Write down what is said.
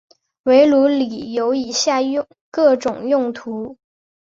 围炉里有以下各种用途。